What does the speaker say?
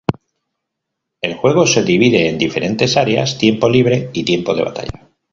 El juego se divide en diferentes áreas, tiempo libre y tiempo de batalla.